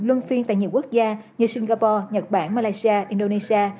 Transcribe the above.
luân phiên tại nhiều quốc gia như singapore nhật bản malaysia indonesia